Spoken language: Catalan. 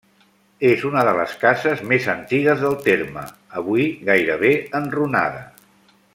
És una de les cases més antigues del terme, avui gairebé enrunada.